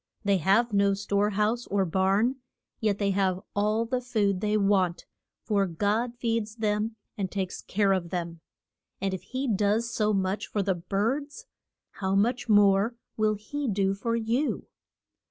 They have no store house or barn, yet they have all the food they want, for God feeds them and takes care of them. And if he does so much for the birds, how much more will he do for you?